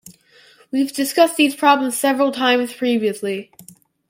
We've discussed these problems several times previously